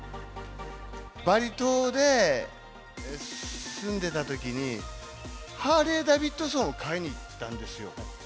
バリ島で住んでいたときに、ハーレーダビッドソンを買いに行ったんですよ。